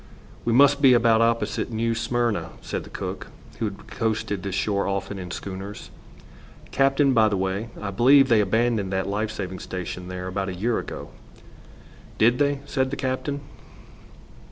"We must be about opposite New Smyrna," said the cook, who had coasted this shore often in schooners. "Captain, by the way, I believe they abandoned that life saving station there about a year ago." "Did they?" said the captain.